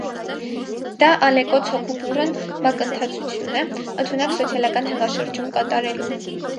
Դա ալեկոծ հոգու բուռն մակընթացություն է՝ ընդունակ սոցիալական հեղաշրջում կատարելու։